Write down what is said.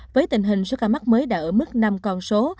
với tình hình số ca mắc mới đã ở mức năm con số